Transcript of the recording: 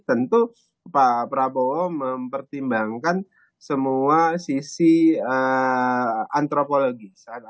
tentu pak prabowo mempertimbangkan semua sisi antropologis